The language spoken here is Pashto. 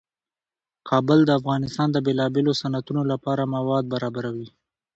کابل د افغانستان د بیلابیلو صنعتونو لپاره مواد برابروي.